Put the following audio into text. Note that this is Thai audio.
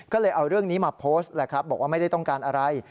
ก็เลยเอาเรื่องนี้มาโพสต์แหละครับบอกว่าไม่ได้ต้องการอะไร